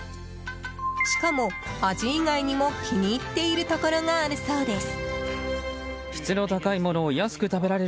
しかも、味以外にも気に入っているところがあるそうです。